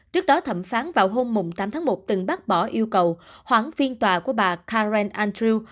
trước đó thẩm phán vào hôm tám tháng một từng bác bỏ yêu cầu hoãn phiên tòa của bà karen andrew